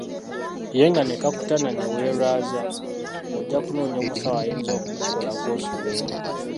Ye nga ne kakutanda ne weerwaza, ng'ojja kunoonya omusawo ayinza okukukolako osulewo.